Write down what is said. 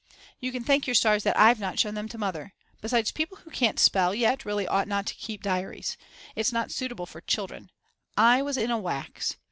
You can thank your stars that I've not shown them to Mother. Besides people who can't spell yet really ought not to keep diaries. It's not suitable for children. I was in a wax.